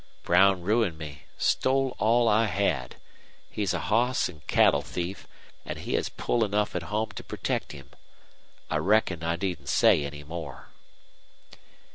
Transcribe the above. Brown ruined me stole all I had. He's a hoss an' cattle thief, an' he has pull enough at home to protect him. I reckon I needn't say any more."